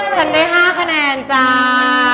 ฉันได้๕คะแนนจ้า